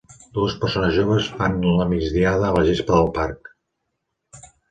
Dues persones joves fan la migdiada a la gespa al parc.